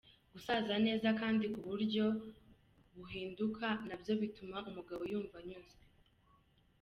Gusasa neza kandi kuburyo buhinduka nabyo bituma umugabo yumva anyuzwe.